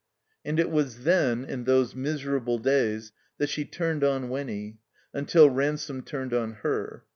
And it was then, in those miserable days, that she turned on Winny, imtil Ransome tinned on her.